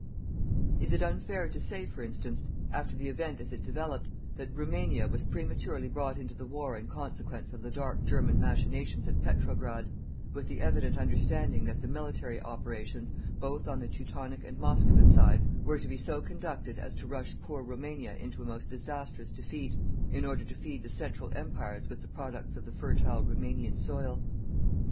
Is it unfair to say, for instance, after the event as it developed, that Roumania was prematurely brought into the war in consequence of the dark German machinations at Petrograd, with the evident understanding that the military operations, both on the Teutonic and Moscovite sides, were to be so conducted as to rush poor Roumania into a most disastrous defeat, in order to feed the Central Empires with the products of the fertile Roumanian soil?